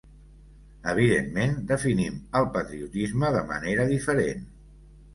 Evidentment, definim el patriotisme de manera diferent.